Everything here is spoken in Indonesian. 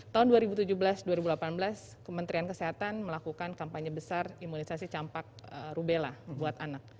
tahun dua ribu tujuh belas dua ribu delapan belas kementerian kesehatan melakukan kampanye besar imunisasi campak rubella buat anak